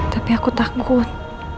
tapi aku takut